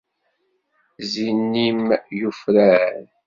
Zzin-im yufrar.